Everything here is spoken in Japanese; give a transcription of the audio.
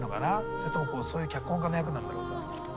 それともそういう脚本家の役なんだろうか。